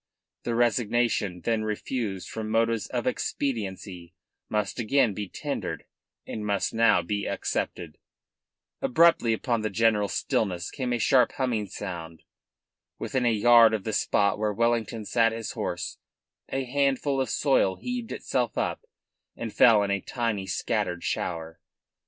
The resignation then refused from motives of expediency must again be tendered and must now be accepted. Abruptly upon the general stillness came a sharply humming sound. Within a yard of the spot where Wellington sat his horse a handful of soil heaved itself up and fell in a tiny scattered shower.